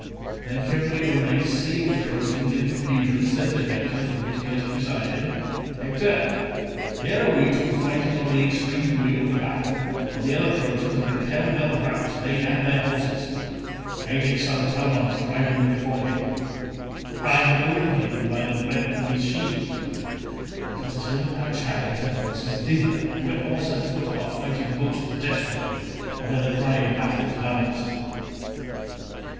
Then Cebriones seeing the Trojans in confusion said to Hector from his place beside him, "Hector, here are we two fighting on the extreme wing of the battle, while the other Trojans are in pell mell rout, they and their horses. Ajax son of Telamon is driving them before him; I know him by the breadth of his shield: let us turn our chariot and horses thither, where horse and foot are fighting most desperately, and where the cry of battle is loudest."